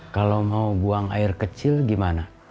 kalau mau buang air kecil gimana